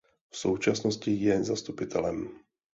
V současnosti je zastupitelem.